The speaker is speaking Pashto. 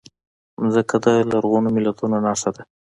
مځکه د لرغونو ملتونو نښه ده.